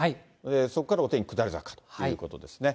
そこからお天気が下り坂ということですね。